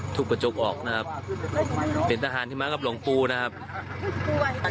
ทุกกระจกออกนะครับเป็นทหารที่มากับหลวงปู่นะครับ